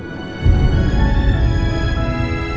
pastikan kamu mengamatkan saya